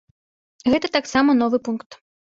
Гэта таксама новы пункт.